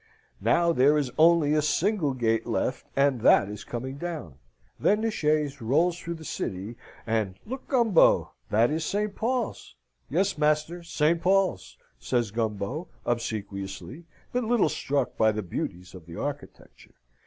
Now there is only a single gate left, and that is coming down. Then the chaise rolls through the city; and, "Look, Gumbo, that is Saint Paul's!" "Yes, master; Saint Paul's," says Gumbo, obsequiously, but little struck by the beauties of the architecture.